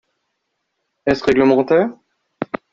Est-ce réglementaire?